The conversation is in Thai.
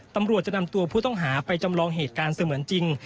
ตำรวจจะนำตัวผู้ต้องหาไปจำลองเหตุการณ์เสมือนจริง